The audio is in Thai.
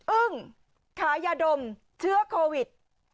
อึ้งขายาดมเชื้อโควิด